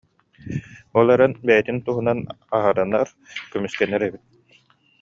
Ол эрэн бэйэтин туһун аһарынар, көмүскэнэр эбит